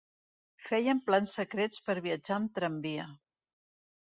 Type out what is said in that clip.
Fèiem plans secrets per viatjar en tramvia.